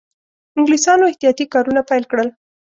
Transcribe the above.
انګلیسیانو احتیاطي کارونه پیل کړل.